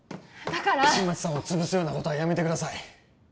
だから新町さんをつぶすようなことはやめてください